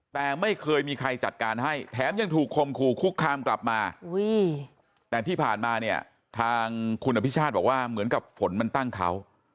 แต่ไม่เคยมีใครจัดการให้แถมยังถูกคมคู่คุกคามกลับมาแต่ที่ผ่านมาเนี่ยทางคุณอภิชาติบอกว่าเหมือนกับฝนมันตั้งเขา